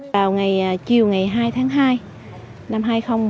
vào chiều ngày hai tháng hai năm hai nghìn một mươi chín